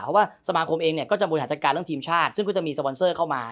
เพราะว่าสมาคมเองเนี่ยก็จะบริหารจัดการเรื่องทีมชาติซึ่งก็จะมีสปอนเซอร์เข้ามา